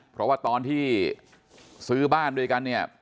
เพราะว่าตอนที่ซื้อบ้านด้วยกันเนี่ย